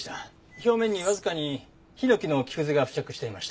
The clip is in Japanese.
表面にわずかにヒノキの木くずが付着していました。